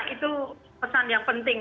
itu pesan yang penting